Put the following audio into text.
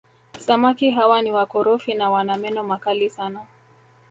Samaki hawa ni wakorofi na wana meno makali sana